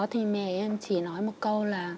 thì mẹ em chỉ nói một câu là